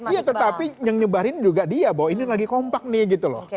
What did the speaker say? iya tetapi yang nyebarin juga dia bahwa ini lagi kompak nih gitu loh